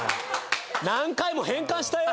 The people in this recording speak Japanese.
何回も変換したよ！